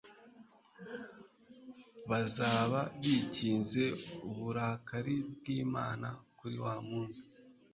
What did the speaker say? bazaba bikinze uburakari bw'imana kuri wa munsi